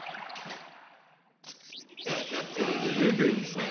それでねベンさん。